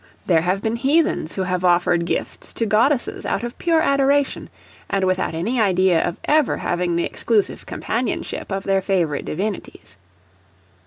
There have been heathens who have offered gifts to goddesses out of pure adoration and without any idea of ever having the exclusive companionship of their favorite divinities.